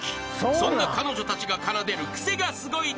［そんな彼女たちが奏でるクセがスゴいネタ］